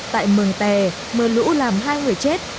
tại mường tè mưa lũ làm hai người chết